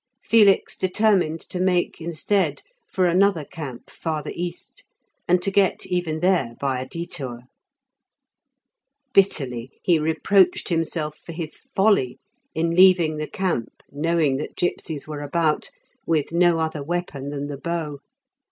Felix determined to make, instead, for another camp farther east, and to get even there by a detour. Bitterly he reproached himself for his folly in leaving the camp, knowing that gipsies were about, with no other weapon than the bow.